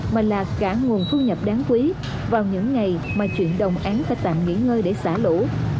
mà là cả nguồn thu nhập đáng quý vào những ngày mà chuyện đồng án phải tạm nghỉ ngơi để xả lũ